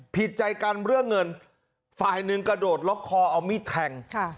ผิดใจกันเรื่องเงินฝ่ายหนึ่งกระโดดล็อกคอเอามีดแทง